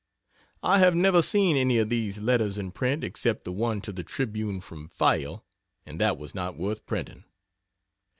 I have never seen any of these letters in print except the one to the Tribune from Fayal and that was not worth printing.